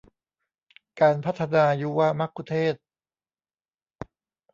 การพัฒนายุวมัคคุเทศก์